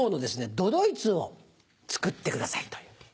都々逸を作ってくださいという。